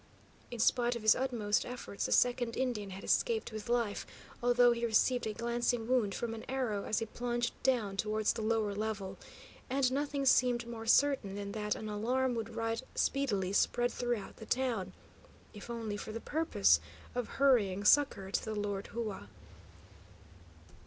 In spite of his utmost efforts, the second Indian had escaped with life, although he received a glancing wound from an arrow, as he plunged down towards the lower level; and nothing seemed more certain than that an alarm would right speedily spread throughout the town, if only for the purpose of hurrying succour to the Lord Hua.